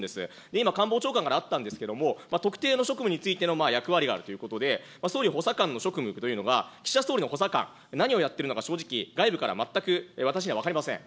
今、官房長官からあったんですけれども、特定の職務についての役割があるということで、総理補佐官の職務というのが、岸田総理の補佐官、何をやってるのか、正直、外部から全く私には分かりません。